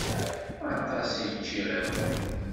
Aṭas i ččiɣ iḍelli.